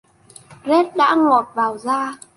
Rét đã ngọt vào da